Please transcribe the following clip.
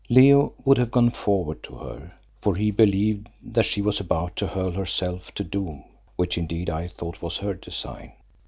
Leo would have gone forward to her, for he believed that she was about to hurl herself to doom, which indeed I thought was her design.